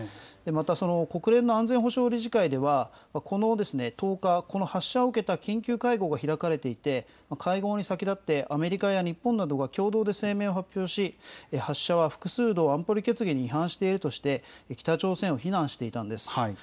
また、国連の安全保障理事会ではこの１０日、この発射を受けた緊急会合が開かれていて、会合に先立ってアメリカや日本などが共同で声明を発表し、発射は複数の安保理決議に違反しているとして、北朝鮮を非難していたんです。